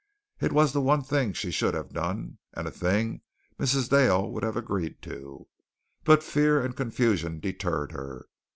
It was the one thing she should have done and a thing Mrs. Dale would have agreed to, but fear and confusion deterred her.